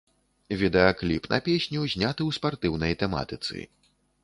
Відэакліп на песню зняты ў спартыўнай тэматыцы.